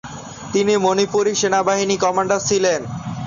তিনি মণিপুরী সেনাবাহিনীর কমান্ডার ছিলেন।